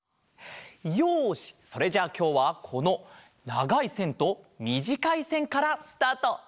よしそれじゃあきょうはこのながいせんとみじかいせんからスタート！